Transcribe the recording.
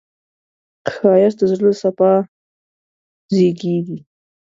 ښایست د زړه له صفا زېږېږي